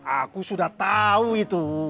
aku sudah tahu itu